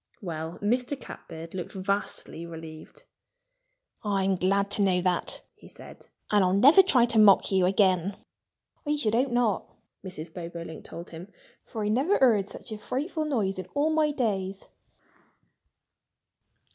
Well, Mr. Catbird looked vastly relieved. "I'm glad to know that," he said. "And I'll never try to mock you again." "I should hope not!" Mrs. Bobolink told him. "For I never heard such a frightful noise in all my days."